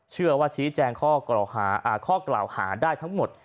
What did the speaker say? เชื่อว่าชี้แจงข้อกล่าวหาได้ทั้งหมด